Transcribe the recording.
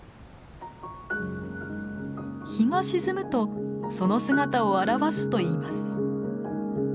日が沈むとその姿を現すといいます。